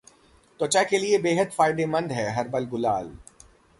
त्वचा के लिए बेहद फायदेमंद है 'हर्बल गुलाल'